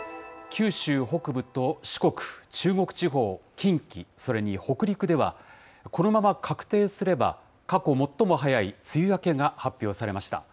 九州北部と四国、中国地方、近畿、それに北陸では、このまま確定すれば、過去最も早い梅雨明けが発表されました。